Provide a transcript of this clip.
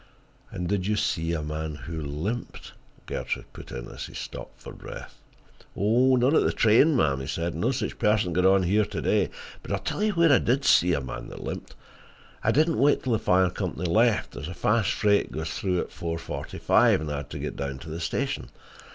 "And—did you see a man who limped?" Gertrude put in, as he stopped for breath. "Not at the train, ma'm," he said. "No such person got on here to day. But I'll tell you where I did see a man that limped. I didn't wait till the fire company left; there's a fast freight goes through at four forty five, and I had to get down to the station.